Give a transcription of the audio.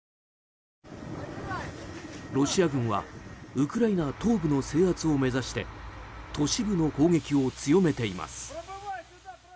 ロシア軍はウクライナ東部の制圧を目指して都市部の攻撃を強めています。